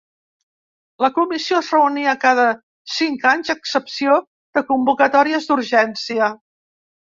La Comissió es reunia cada cinc anys a excepció de convocatòries d'urgència.